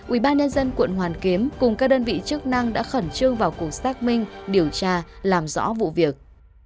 ubnd quận hoàn kiếm cùng các đơn vị chức năng đã khẩn trương vào cuộc xác minh điều tra làm rõ vụ việc